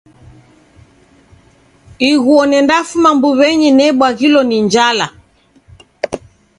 Ighuo nendafuma mbuwenyi nebwaghilo ni njala